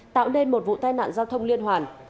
tạo nên một vụ tai nạn giao thông liên hoàn